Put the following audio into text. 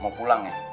mau pulang ya